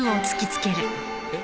えっ？